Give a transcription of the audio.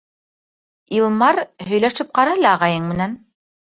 Илмар, һөйләшеп ҡара әле ағайың менән.